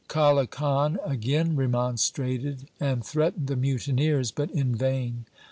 Kale Khan again remonstrated and threatened the mutineers, but in vain.